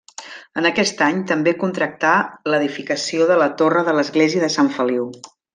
En aquest any també contractà l’edificació de la torre de l’església de Sant Feliu.